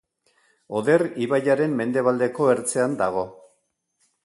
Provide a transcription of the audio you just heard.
Oder ibaiaren mendebaldeko ertzean dago.